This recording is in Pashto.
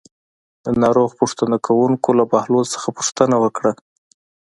د ناروغ پوښتنه کوونکو له بهلول څخه پوښتنه وکړه.